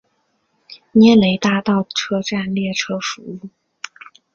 涅雷大道车站列车服务。